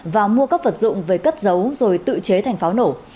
và mua các vật dụng về cất giấu rồi tự chế thành pháo nổ